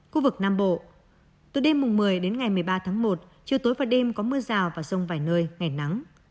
khu vực nam bộ từ đêm một mươi một mươi ba một chiều tối và đêm có mưa rào và rồng vài nơi ngày nắng